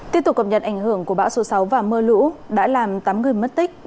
tiếp tục cập nhật ảnh hưởng của bão số sáu và mưa lũ đã làm tám người mất tích